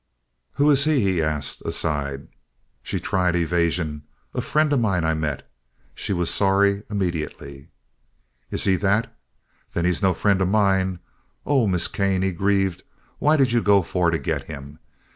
"Who is he?" he asked, aside. She tried evasion. "A friend of mine I met." She was sorry immediately. "Is he that? Then he is no friend of mine. Oh, Miss Kane," he grieved, "why did you go for to get him?